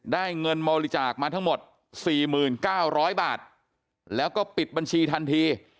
เงินบริจาคมาทั้งหมด๔๙๐๐บาทแล้วก็ปิดบัญชีทันที